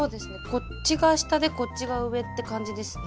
こっちが下でこっちが上って感じですね。